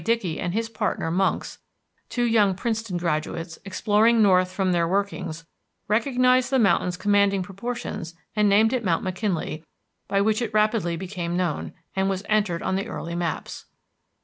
Dickey and his partner, Monks, two young Princeton graduates, exploring north from their workings, recognized the mountain's commanding proportions and named it Mount McKinley, by which it rapidly became known, and was entered on the early maps.